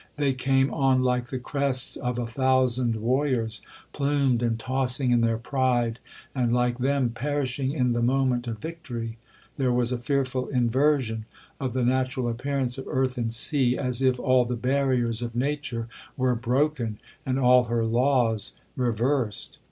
They came on like the crests of a thousand warriors, plumed and tossing in their pride, and, like them, perishing in the moment of victory. There was a fearful inversion of the natural appearance of earth and sea, as if all the barriers of nature were broken, and all her laws reversed.